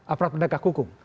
aparat pendekat hukum